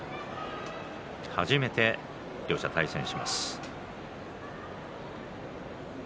初めて両者対戦します。